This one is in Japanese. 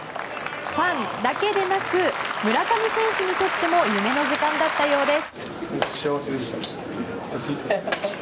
ファンだけでなく村上選手にとっても夢の時間だったようです。